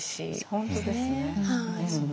本当ですね。